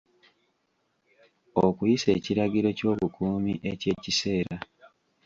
Okuyisa ekiragiro ky'obukuumi eky'ekiseera.